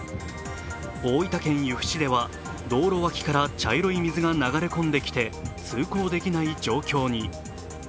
大分県由布市では道路脇から茶色い水が流れ込んできて通行できない状況に。